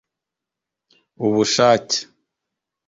ubushake